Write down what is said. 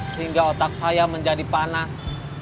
sehingga otak saya menjadi panas